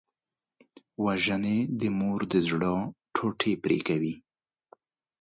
وژنه د مور د زړه ټوټه پرې کوي